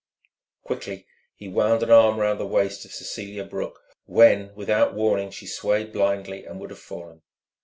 Quickly he wound an arm round the waist of Cecelia Brooke when, without warning, she swayed blindly and would have fallen.